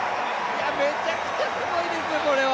めちゃくちゃすごいですよ、これは。